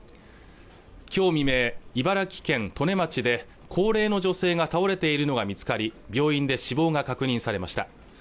今日未明茨城県利根町で高齢の女性が倒れているのが見つかり病院で死亡が確認されました